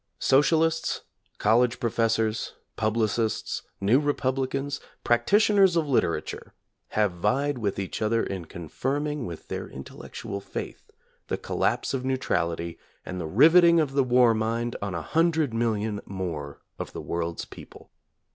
Socialists, college professors, publicists, new republicans, practitioners of litera ture, have vied with each other in confirming with their intellectual faith the collapse of neutrality and the riveting of the war mind on a hundred million more of the world's people.